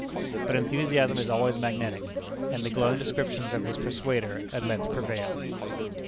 But enthusiasm is always magnetic, and the glowing descriptions of his persuader at length prevailed.